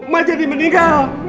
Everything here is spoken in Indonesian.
mbak jadi meninggal